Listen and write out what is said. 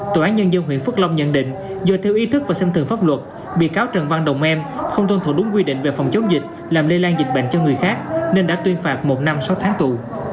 tòa án nhân dân huyện phước long nhận định do thiếu ý thức và xem thường pháp luật bị cáo trần văn đồng em không tuân thủ đúng quy định về phòng chống dịch làm lây lan dịch bệnh cho người khác nên đã tuyên phạt một năm sáu tháng tù